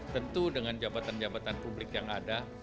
tentu dengan jabatan jabatan publik yang ada